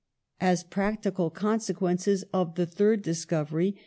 ''As practical consequences of the third dis covery, M.